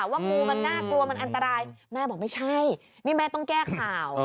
ว่างูมันน่ากลัวมันอันตรายแม่บอกไม่ใช่นี่แม่ต้องแก้ข่าว